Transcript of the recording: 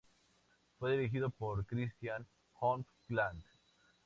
Fue dirigido por Christian Holm-Glad.